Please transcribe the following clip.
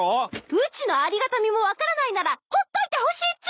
うちのありがたみも分からないならほっといてほしいっちゃ！